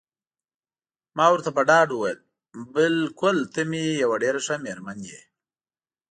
ما ورته په ډاډ وویل: بلکل ته مې یوه ډېره ښه میرمن یې.